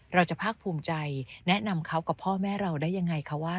เราจะภาคภูมิใจแนะนำเขากับพ่อแม่เราได้ยังไงคะว่า